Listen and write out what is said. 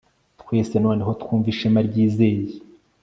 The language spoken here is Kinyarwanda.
Twese noneho twumve ishema ryizeye